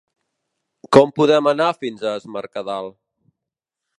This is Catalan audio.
Com podem anar fins a Es Mercadal?